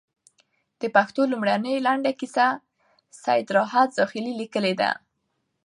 د پښتو لومړۍ لنډه کيسه، سيدراحت زاخيلي ليکلې ده